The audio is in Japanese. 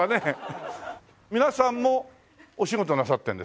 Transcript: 皆さんもお仕事なさってるんですか？